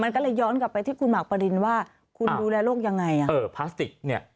มันก็เลยย้อนกลับไปที่คุณหมากปรินว่าคุณดูแลโรคยังไงอ่ะเออพลาสติกเนี่ย